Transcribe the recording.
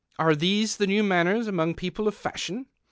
Arc these the new manners among people of fashion